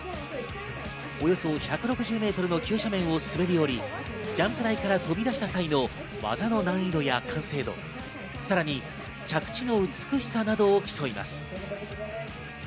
およそ１６０メートルの急斜面を滑り降り、ジャンプ台から飛び出した際の技の難易度や完成度、さらに着地の美しさなどを競います。